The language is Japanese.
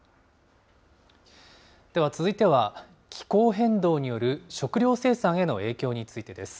では続いては、気候変動による食料生産への影響についてです。